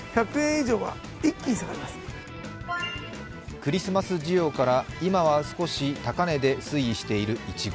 クリスマス需要から今は少し高値で推移しているいちご。